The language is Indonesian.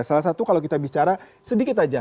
salah satu kalau kita bicara sedikit saja